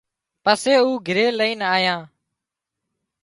پسي اُو گھرِي لئينَ آيان